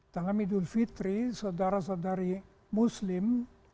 tangan idul fitri saudara saudari muslim